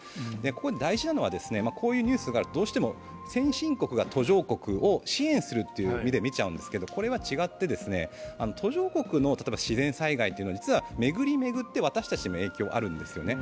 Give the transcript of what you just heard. ここで大事なのは、こういうニュースがあると先進国が途上国を支援するという目で見てしまうんですけれども、これは違って、途上国の自然災害というのは実は巡り巡って私たちにも影響があるんですよね。